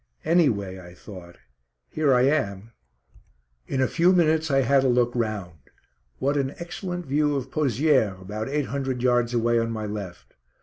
"Anyway," I thought, "here I am." In a few minutes I had a look round. What an excellent view of Pozières, about eight hundred yards away on my left.